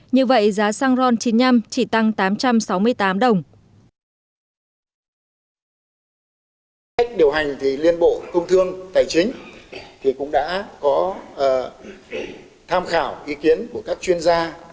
như vậy giá xăng ron chín mươi năm chỉ tăng tám trăm sáu mươi tám đồng